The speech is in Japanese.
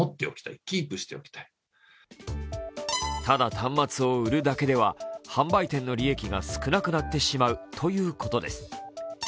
ただ端末を売るだけでは販売店の利益が少なくなってしまうということです。